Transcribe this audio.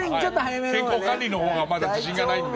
健康管理のほうがまだ自信がないので。